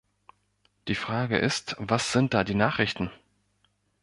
Die Frage ist, was sind da die Nachrichten?